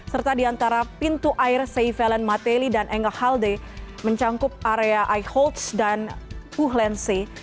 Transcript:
serta di antara pintu air seivellen matelli dan engahalde mencangkup area i holtz dan buhlensee